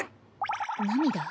涙？